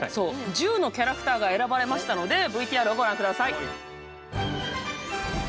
１０のキャラクターが選ばれましたのでＶＴＲをご覧下さい。